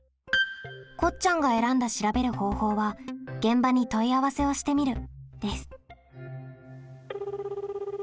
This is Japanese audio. こっちゃんが選んだ調べる方法は「現場に問い合わせをしてみる」です。